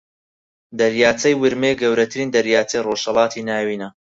دەریاچەی ورمێ گەورەترین دەریاچەی ڕۆژھەڵاتی ناوینە